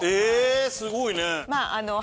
すごいね。